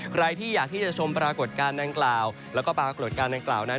ใครที่อยากที่จะชมปรากฏการณ์ดังกล่าวแล้วก็ปรากฏการณ์ดังกล่าวนั้น